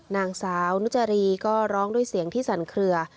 นางสาวนุจรีก็ร้องด้วยเสียงที่สั่นเคลือ